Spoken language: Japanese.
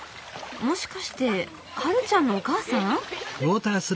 もしかしてはるちゃんのお母さん？